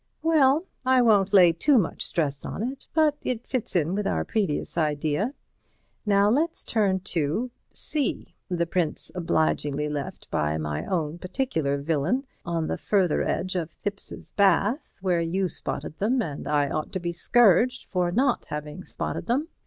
"Well, I won't lay too much stress on it. But it fits in with our previous ideas. Now let's turn to: "C. The prints obligingly left by my own particular villain on the further edge of Thipps's bath, where you spotted them, and I ought to be scourged for not having spotted them.